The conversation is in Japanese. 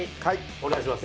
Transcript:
お願いします。